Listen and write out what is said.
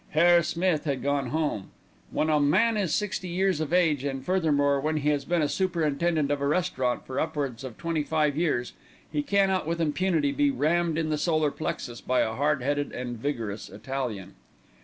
Herr Smith had gone home. When a man is sixty years of age and, furthermore, when he has been a superintendent of a restaurant for upwards of twenty five years, he cannot with impunity be rammed in the solar plexus by a hard headed and vigorous Italian.